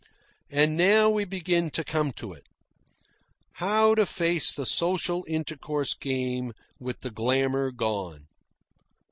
And now we begin to come to it. How to face the social intercourse game with the glamour gone?